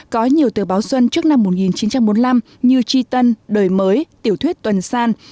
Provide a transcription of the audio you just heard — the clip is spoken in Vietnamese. có nhiều tờ báo xuân trước năm một nghìn chín trăm bốn mươi năm như tri tân đời mới tiểu thuyết tuần san